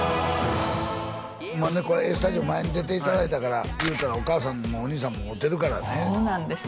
「ＡＳＴＵＤＩＯ」前に出ていただいたからいうたらお母さんもお兄さんも会うてるからねそうなんですよ